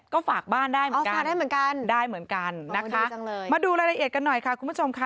ก็ฝากบ้านได้เหมือนกันได้เหมือนกันนะคะมาดูรายละเอียดกันหน่อยค่ะคุณผู้ชมค่ะ